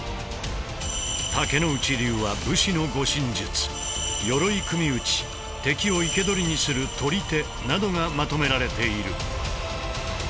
竹内流は武士の護身術鎧組討敵を生け捕りにする捕手などがまとめられている。